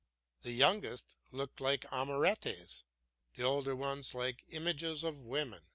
The youngest looked like amorettes, the older ones like images of women.